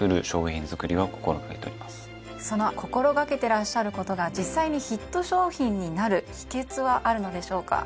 その心掛けてらっしゃることが実際にヒット商品になる秘訣はあるのでしょうか？